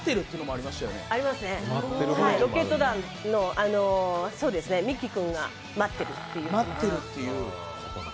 ありますね、ロケット団のミキ君が待ってるっていう。